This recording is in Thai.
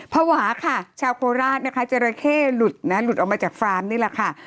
ภาวะค่ะชาวโคราชนะคะจราเข้หลุดนะหลุดออกมาจากฟาร์มนี่แหละค่ะ